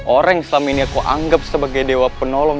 orang yang selama ini aku anggap sebagai dewa penolong